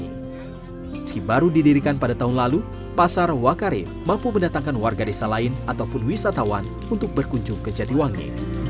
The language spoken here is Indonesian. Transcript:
meski baru didirikan pada tahun lalu pasar wakare mampu mendatangkan warga desa lain ataupun wisatawan untuk berkunjung ke jatiwangi